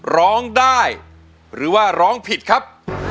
ร้องได้หรือว่าร้องผิดครับ